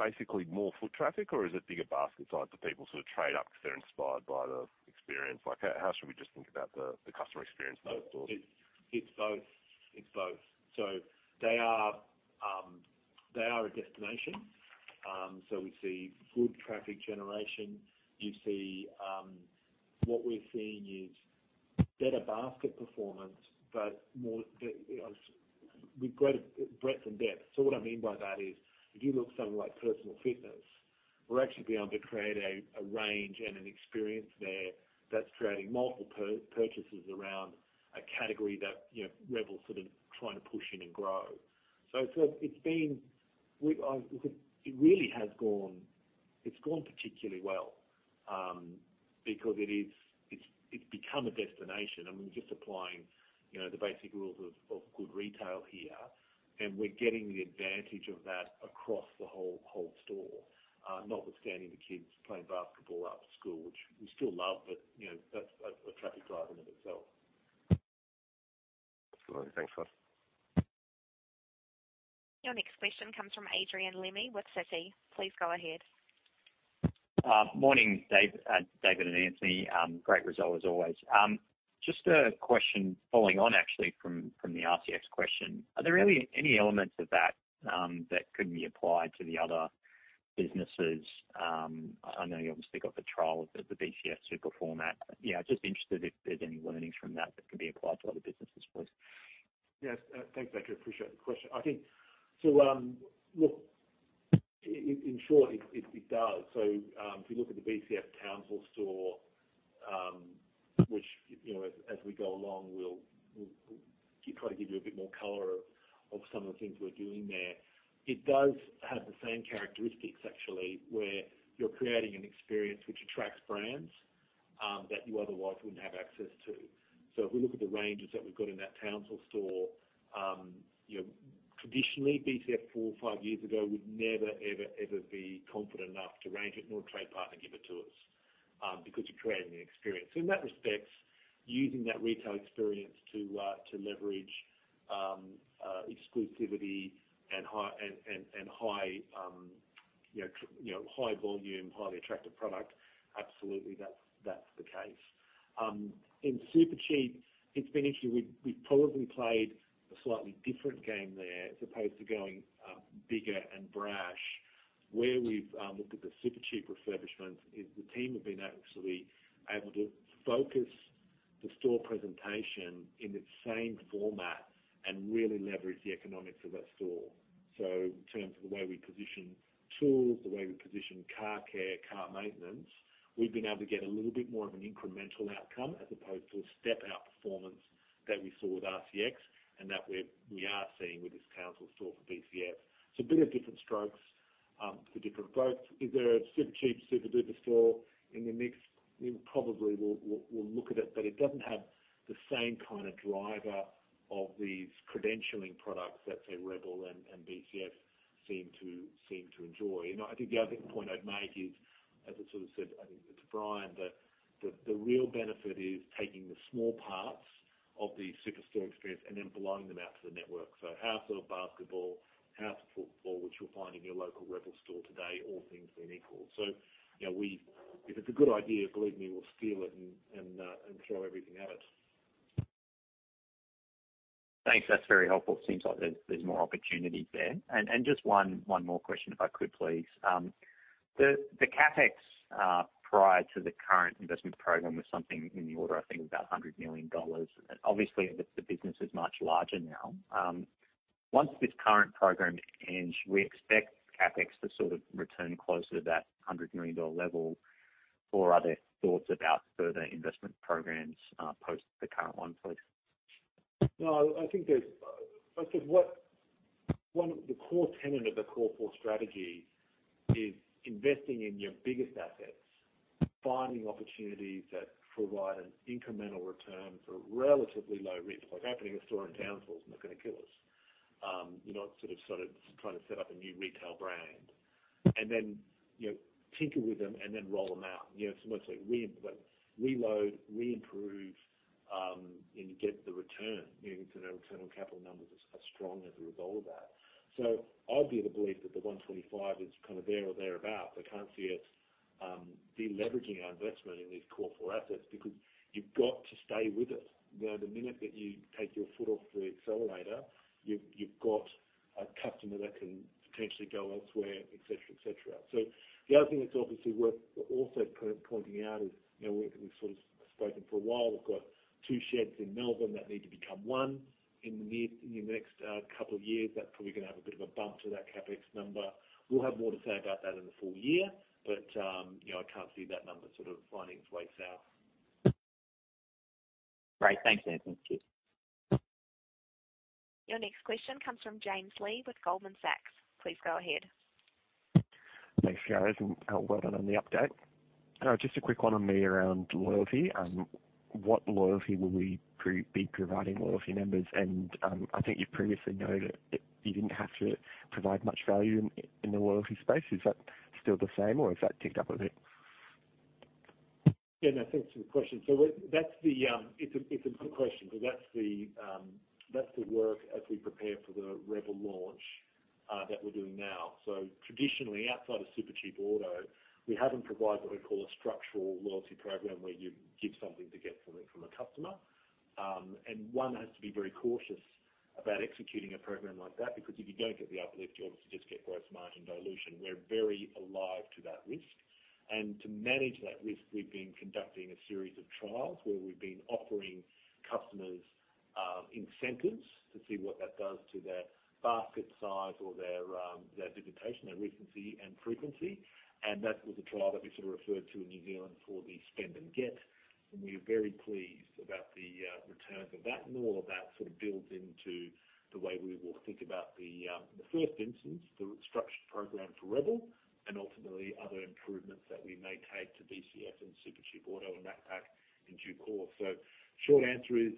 basically more foot traffic or is it bigger basket size that people sort of trade up because they're inspired by the experience? Like, how should we just think about the customer experience in those stores? It's both. It's both. They are a destination. We see good traffic generation. You see, what we're seeing is better basket performance, but more the with greater breadth and depth. What I mean by that is, if you look something like personal fitness, we're actually be able to create a range and an experience there that's creating multiple purchases around a category that, you know, rebel's sort of trying to push in and grow. It's been. It really has gone, it's gone particularly well, because it is, it's become a destination and we're just applying, you know, the basic rules of good retail here, and we're getting the advantage of that across the whole store. Notwithstanding the kids playing basketball after school, which we still love, but, you know, that's a traffic driver in of itself. Absolutely. Thanks, guys. Your next question comes from Adrian Lemme with Citi. Please go ahead. Morning, David and Anthony. Great result as always. Just a question following on actually from the RCX question. Are there any elements of that that couldn't be applied to the other businesses? I know you obviously got the trial of the BCF super format. Yeah, just interested if there's any learnings from that that can be applied to other businesses, please. Yes. Thanks, Adrian. Appreciate the question. I think so, look, in short, it does. If you look at the BCF Townsville store, which, you know, as we go along, we'll try to give you a bit more color of some of the things we're doing there. It does have the same characteristics, actually, where you're creating an experience which attracts brands that you otherwise wouldn't have access to. If we look at the ranges that we've got in that Townsville store, you know, traditionally, BCF 4 or 5 years ago would never, ever be confident enough to range it, nor a trade partner give it to us, because you're creating an experience. In that respect, using that retail experience to leverage exclusivity and high, you know, you know, high volume, highly attractive product, absolutely, that's the case. In Supercheap, it's been interesting. We've probably played a slightly different game there as opposed to going bigger and brash. Where we've looked at the Supercheap refurbishments is the team have been actually able to focus the store presentation in the same format and really leverage the economics of that store. In terms of the way we position tools, the way we position car care, car maintenance, we've been able to get a little bit more of an incremental outcome as opposed to a step-out performance that we saw with RCX and that we are seeing with this Townsville store for BCF. It's a bit of different strokes for different boats. Is there a Supercheap Superduper store in the mix? We probably will look at it, but it doesn't have the same kind of driver of these credentialing products that, say, rebel and BCF seem to enjoy. You know, I think the other point I'd make is, as I sort of said, I think it's Bryan Raymond, that the real benefit is taking the small parts of the Superstore experience and then blowing them out to the network. House sort of basketball, house football, which you'll find in your local rebel store today, all things being equal. You know, if it's a good idea, believe me, we'll steal it and throw everything at it. Thanks. That's very helpful. It seems like there's more opportunity there. Just one more question, if I could please. The CapEx prior to the current investment program was something in the order, I think, about $100 million. Obviously, the business is much larger now. Once this current program ends, we expect CapEx to sort of return closer to that $100 million level. Are there thoughts about further investment programs post the current one, please? No, I think one of the core tenet of the core four strategy is investing in your biggest assets, finding opportunities that provide an incremental return for relatively low risk. Like opening a store in Townsville is not going to kill us. You know, it's sort of trying to set up a new retail brand and then, you know, tinker with them and then roll them out. You know, it's almost like reload, reimprove, and get the return, you know, so their return on capital numbers are strong as a result of that. I'd be of the belief that the 125 is kind of there or thereabout. I can't see us deleveraging our investment in these core four assets because you've got to stay with it. You know, the minute that you take your foot off the accelerator, you've got a customer that can potentially go elsewhere, et cetera, et cetera. The other thing that's obviously worth also kind of pointing out is, you know, we've sort of spoken for a while, we've got two sheds in Melbourne that need to become one in the next couple of years. That's probably gonna have a bit of a bump to that CapEx number. We'll have more to say about that in the full year, but, you know, I can't see that number sort of finding its way south. Great. Thanks, Anthony. Cheers. Your next question comes from James Lee with Goldman Sachs. Please go ahead. Thanks, guys, and well done on the update. Just a quick one on me around loyalty. What loyalty will we be providing loyalty members? I think you previously noted that you didn't have to provide much value in the loyalty space. Is that still the same or has that ticked up a bit? Yeah, no, thanks for the question. It's a good question, because that's the work as we prepare for the rebel launch that we're doing now. Traditionally, outside of Supercheap Auto, we haven't provided what we call a structural loyalty program, where you give something to get something from a customer. One has to be very cautious about executing a program like that, because if you don't get the uplift, you obviously just get gross margin dilution. We're very alive to that risk. To manage that risk, we've been conducting a series of trials where we've been offering customers incentives to see what that does to their basket size or their visitation, their recency and frequency. That was a trial that we sort of referred to in New Zealand for the spend and get. We're very pleased about the returns of that. All of that sort of builds into the way we will think about the in the first instance, the structured program for rebel and ultimately other improvements that we may take to BCF and Supercheap Auto and Macpac in due course. Short answer is,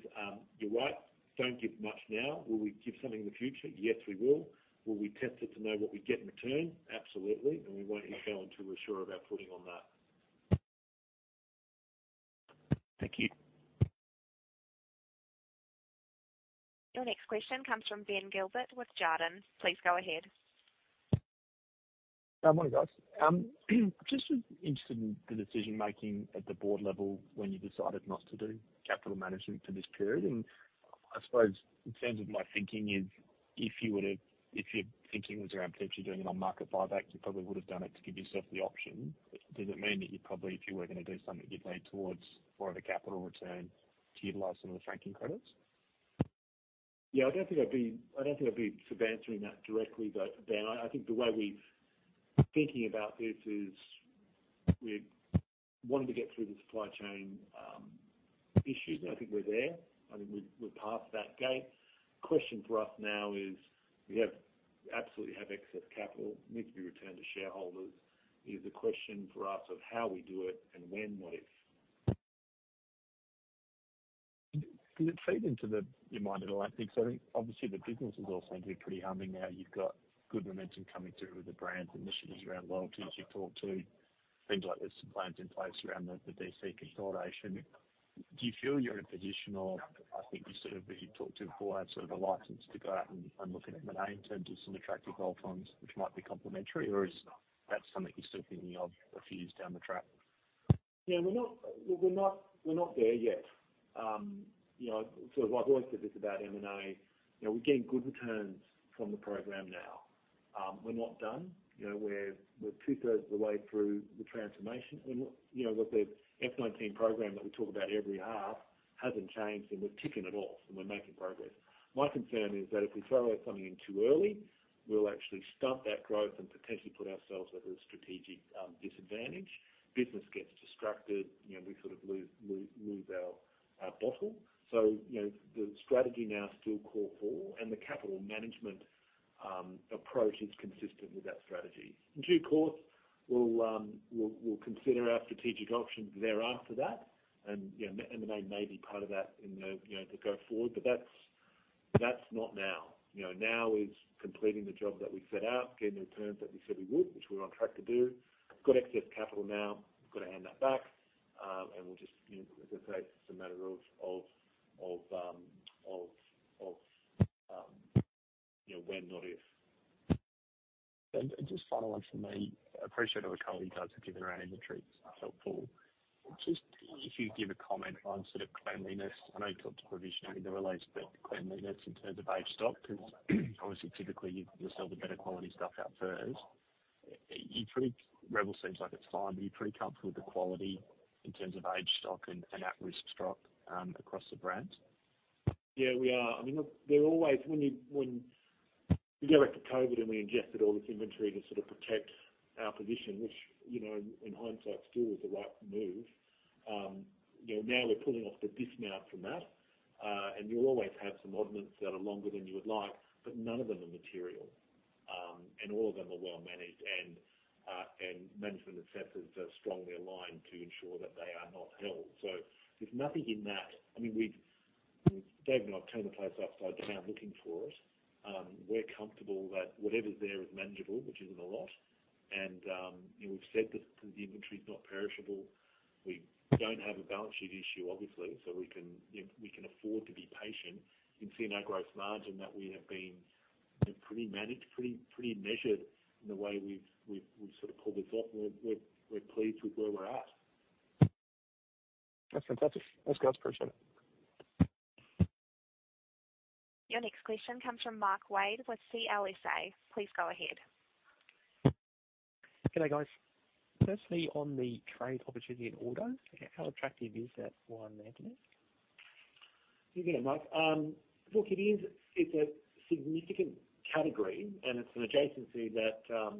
you're right, don't give much now. Will we give something in the future? Yes, we will. Will we test it to know what we get in return? Absolutely. We won't hit go until we're sure of our footing on that. Thank you. Your next question comes from Ben Gilbert with Jarden. Please go ahead. Good morning, guys. Just interested in the decision-making at the board level when you decided not to do capital management for this period. I suppose in terms of my thinking is if your thinking was around potentially doing an on-market buyback, you probably would have done it to give yourself the option. Does it mean that you'd probably, if you were going to do something, you'd lean towards more of a capital return to utilize some of the franking credits? Yeah, I don't think I'd be, I don't think I'd be sort of answering that directly, though, Ben. I think the way we're thinking about this is we're wanting to get through the supply chain issues, and I think we're there. I think we're past that gate. Question for us now is we absolutely have excess capital, needs to be returned to shareholders. Is the question for us of how we do it and when, what if. Does it feed into your mind at all? I think so. Obviously, the business is also pretty humming now. You've got good momentum coming through with the brand initiatives around loyalties. You've talked to things like there's some plans in place around the DC consolidation. Do you feel you're in a position of I think you sort of, you talked to before, have sort of a license to go out and look at M&A in terms of some attractive add-ons which might be complementary, or is that something you're still thinking of a few years down the track? Yeah, we're not there yet. You know, I've always said this about M&A, you know, we're getting good returns from the program now. We're not done. You know, we're two-thirds of the way through the transformation. You know, with the FY19 program that we talk about every half hasn't changed, and we're ticking it off and we're making progress. My concern is that if we throw something in too early, we'll actually stunt that growth and potentially put ourselves at a strategic disadvantage. Business gets distracted, you know, we sort of lose our bottle. You know, the strategy now is still core four, and the capital management approach is consistent with that strategy. In due course, we'll consider our strategic options thereafter that. You know, M&A may be part of that in the, you know, the go forward. That's not now. You know, now is completing the job that we set out, getting the returns that we said we would, which we're on track to do. Got excess capital now, got to hand that back. We'll just, you know, as I say, it's a matter of, you know, when, not if. Just final one for me. Appreciate all the color you guys have given around inventory. It's helpful. Just if you give a comment on sort of cleanliness. I know you talked provisionally that relates to cleanliness in terms of age stock, because obviously typically you sell the better quality stuff out first. rebel seems like it's fine, but you're pretty comfortable with the quality in terms of aged stock and at-risk stock across the brands? Yeah, we are. I mean, look, there are always when we go back to COVID and we ingested all this inventory to sort of protect our position, which, you know, in hindsight still was the right move. You know, now we're pulling off the dismount from that. You'll always have some oddments that are longer than you would like, but none of them are material, and all of them are well managed. Management incentives are strongly aligned to ensure that they are not held. There's nothing in that. I mean, Dave and I've turned the place upside down looking for it. We're comfortable that whatever's there is manageable, which isn't a lot. You know, we've said the inventory is not perishable. We don't have a balance sheet issue, obviously. We can, you know, we can afford to be patient. You can see in our growth margin that we have been pretty managed, pretty measured in the way we've sort of pulled this off. We're pleased with where we're at. That's fantastic. Thanks, guys. Appreciate it. Your next question comes from Mark Wade with CLSA. Please go ahead. G'day, guys. Firstly, on the trade opportunity in auto, how attractive is that one, Anthony? Yeah. Good day, Mark. look, it is, it's a significant category and it's an adjacency that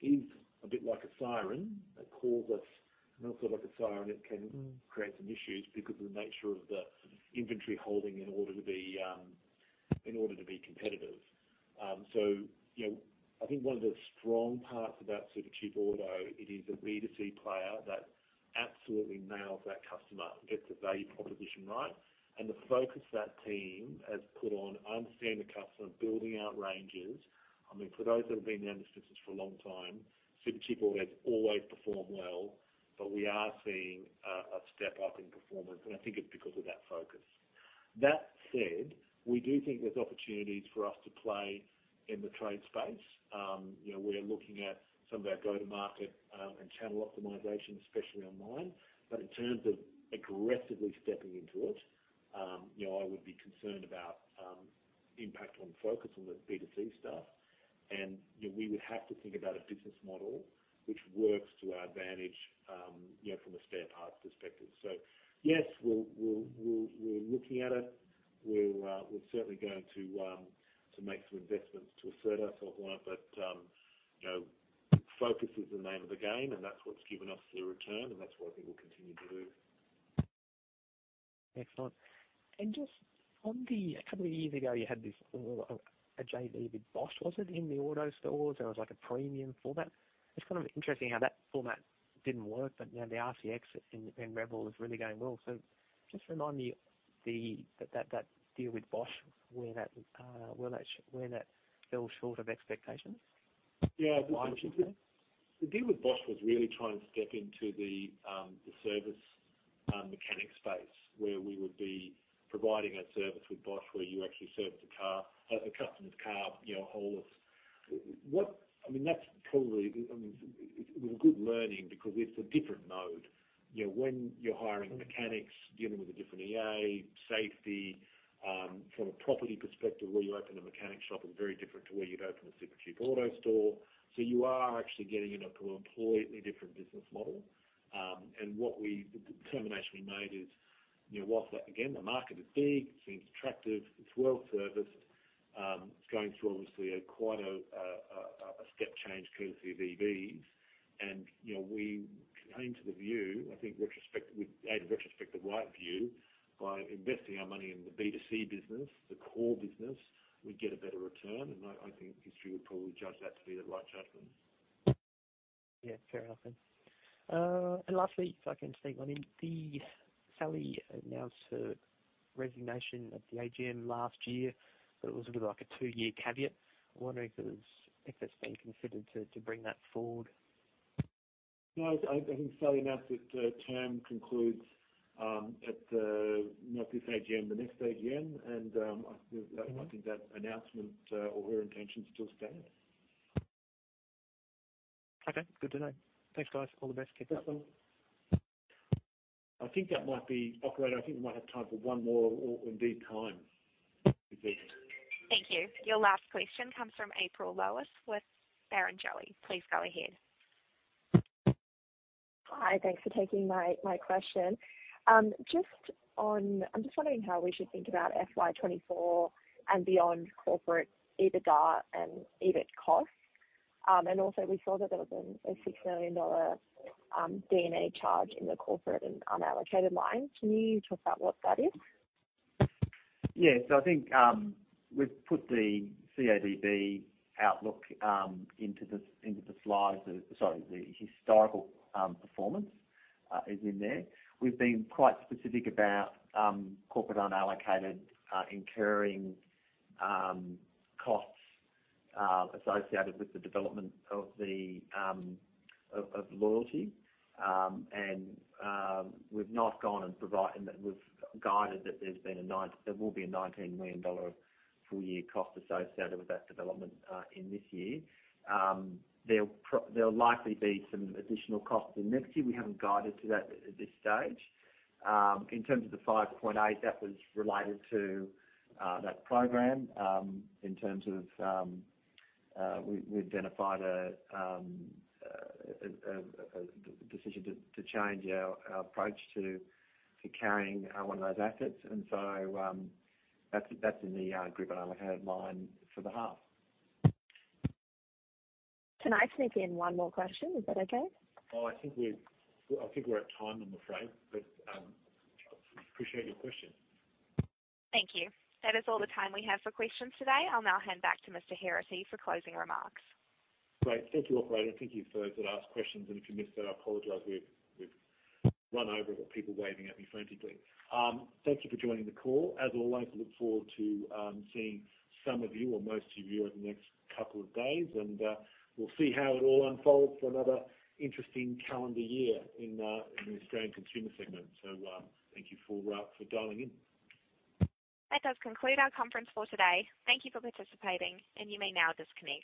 is a bit like a siren that calls us. Also like a siren, it can create some issues because of the nature of the inventory holding in order to be in order to be competitive. you know, I think one of the strong parts about Supercheap Auto, it is a B2C player that absolutely nails that customer, gets the value proposition right. The focus that team has put on understanding the customer, building out ranges. I mean, for those that have been there in the business for a long time, Supercheap Auto has always performed well, but we are seeing a step up in performance, and I think it's because of that focus. That said, we do think there's opportunities for us to play in the trade space. You know, we're looking at some of our go-to-market, and channel optimization, especially online. In terms of aggressively stepping into it, you know, I would be concerned about, impact on focus on the B2C stuff. You know, we would have to think about a business model which works to our advantage, you know, from a spare parts perspective. Yes, we'll, we're looking at it. We're certainly going to make some investments to assert ourselves more. You know, focus is the name of the game and that's what's given us the return and that's what I think we'll continue to do. Excellent. Just 2 years ago, you had this a JV with Bosch. Was it in the auto stores? There was like a premium format. It's kind of interesting how that format didn't work. You know, the RCX in rebel is really going well. Just remind me that deal with Bosch, where that fell short of expectations? Yeah. Why did? The deal with Bosch was really trying to step into the service mechanic space where we would be providing a service with Bosch where you actually service the car, the customer's car, you know, a whole list. I mean, that's probably, I mean, it was a good learning because it's a different mode. You know, when you're hiring mechanics, dealing with a different EA, safety, from a property perspective, where you open a mechanic shop is very different to where you'd open a Supercheap Auto store. You are actually getting into a completely different business model. The determination we made is, you know, whilst, again, the market is big, it seems attractive, it's well serviced. It's going through obviously a quite a step change courtesy of EVs. You know, we came to the view, I think we made a retrospective right view by investing our money in the B2C business, the core business, we'd get a better return. I think history would probably judge that to be the right judgment. Yeah, fair enough then. Lastly, if I can sneak one in. Sally announced her resignation at the AGM last year, but it was a bit of like a 2-year caveat. I'm wondering if it's been considered to bring that forward. No, I think Sally announced that her term concludes at the, not this AGM, the next AGM. I think that announcement or her intention still stands. Okay, good to know. Thanks, guys. All the best. Keep up. I think that might be, Operator, I think we might have time for one more or indeed time is it? Thank you. Your last question comes from April Lowis with Barrenjoey. Please go ahead. Hi. Thanks for taking my question. I'm just wondering how we should think about FY24 and beyond corporate EBITDA and EBIT costs. Also we saw that there was a $6 million D&A charge in the corporate and unallocated line. Can you talk about what that is? I think we've put the CODB outlook into the slides. The historical performance is in there. We've been quite specific about corporate unallocated incurring costs associated with the development of the loyalty. We've not gone and provide, and we've guided that there will be a 19 million dollar full-year cost associated with that development in this year. There'll likely be some additional costs next year. We haven't guided to that at this stage. In terms of the 5.8, that was related to that program. In terms of, we've identified a decision to change our approach to carrying one of those assets. That's in the group unallocated line for the half. Can I sneak in one more question? Is that okay? I think we're at time, I'm afraid. Appreciate your question. Thank you. That is all the time we have for questions today. I'll now hand back to Mr. Heraghty for closing remarks. Great. Thank you, operator. Thank you for, to ask questions. If you missed that, I apologize. We've run over. Got people waving at me frantically. Thank you for joining the call. As always, look forward to seeing some of you or most of you over the next couple of days, and we'll see how it all unfolds for another interesting calendar year in the Australian consumer segment. Thank you for dialing in. That does conclude our conference for today. Thank you for participating, and you may now disconnect.